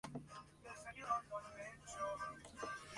Por esa pieza teatral recibe el Primer Premio Nacional de Teatro.